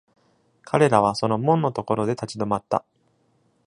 彼らはその門のところで立ち止まった。